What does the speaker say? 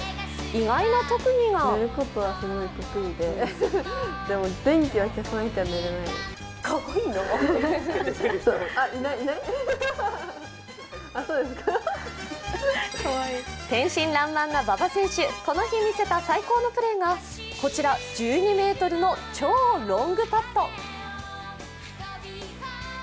意外な特技が天真爛漫な馬場選手、この日見せた最高のプレーがこちら１２ｍの超ロングパット。